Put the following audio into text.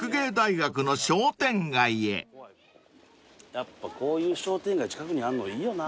やっぱこういう商店街近くにあんのいいよな。